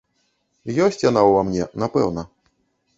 Ёсць яна ў ва мне, напэўна.